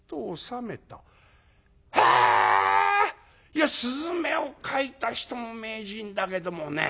いや雀を描いた人も名人だけどもね